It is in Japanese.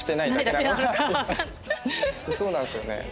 そうなんですよね。